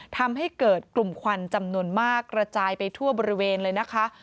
ทำให้เกิดกลุ่มควันจำนวนมากกระจายไปทั่วบริเวณเลยนะคะ